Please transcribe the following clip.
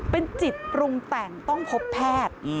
เป็นจิตปรุงแต่งต้องพบแพทย์